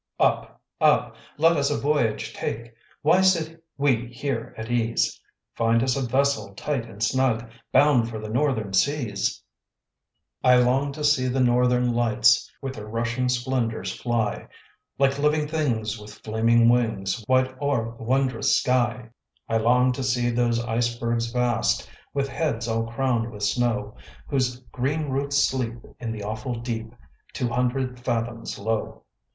Up! up! let us a voyage take; Why sit we here at ease? Find us a vessel tight and snug, Bound for the northern seas. I long to see the northern lights With their rushing splendors fly, Like living things with flaming wings, Wide o'er the wondrous sky. I long to see those icebergs vast, With heads all crowned with snow, Whose green roots sleep in the awful deep, Two hundred fathoms low.